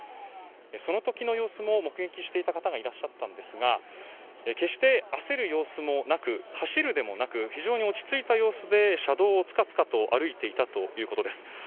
その時の様子も目撃していた方もいらっしゃったんですが決して焦る様子もなく走るでもなく非常に落ち着いた様子で車道をつかつかと歩いていたということです。